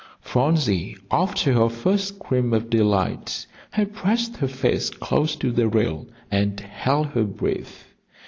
Phronsie, after her first scream of delight, had pressed her face close to the rail and held her breath.